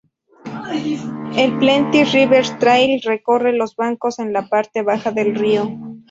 El Plenty River Trail recorre los bancos en la parte baja del río.